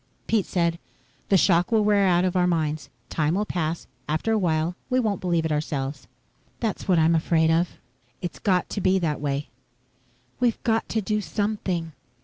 Pete said, "The shock will wear out of our minds. Time will pass. After a while, we won't believe it ourselves." "That's what I'm afraid of." "It's got to be that way." "We've got to do something."